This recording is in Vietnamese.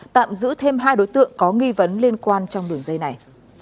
tạm giữ thêm hai đối tượng có nghi vấn liên quan trong đường dây này